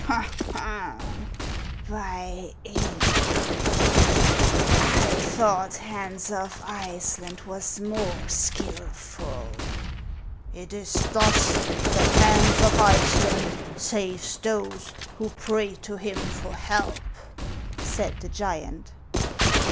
" Ho ! ho ! by Ingulf ! I thought Hans of Iceland was more skilful" " It is thus that Hans of Iceland saves those who pray to him for help !" said the giant.